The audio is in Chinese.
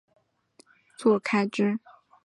通常这类人士都会收取利益作开支。